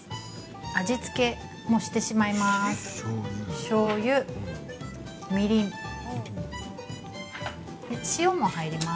味つけもしてしまいます。